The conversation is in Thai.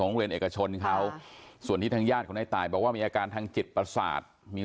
ก็ยังอยู่ระหว่างการสอบสวนอยู่นะครับเพราะว่าเรากำลังตามยาฐานเขานะครับ